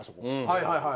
はいはいはい。